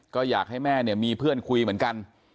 ก็อยากให้แม่เนี่ยมีเพื่อนคุยเหมือนกัน